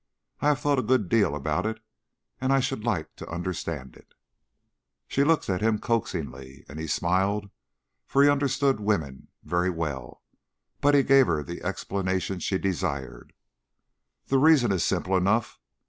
I have thought a good deal about it and I should like to understand it." She looked at him coaxingly, and he smiled, for he understood women very well; but he gave her the explanation she desired. "The reason is simple enough.